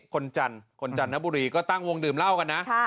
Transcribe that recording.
คนจันทบุรีก็ตั้งวงดื่มเหล้ากันนะ